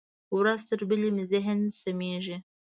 ورځ تر بلې مې ذهن سمېږي.